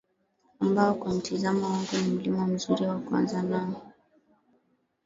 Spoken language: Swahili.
ambao kwa mtizamo wangu ni Mlima mzuri wa kuanza nao